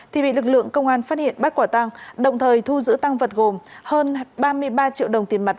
thì bị lực lượng công an phát hiện bắt quả tăng đồng thời thu giữ tăng vật gồm hơn ba mươi ba triệu đồng tiền mặt